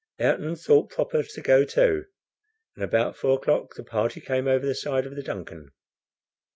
Ayrton thought proper to go too, and about four o'clock the party came over the side of the DUNCAN.